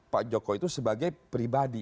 pak jokowi itu sebagai pribadi